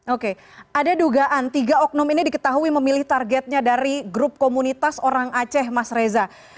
oke ada dugaan tiga oknum ini diketahui memilih targetnya dari grup komunitas orang aceh mas reza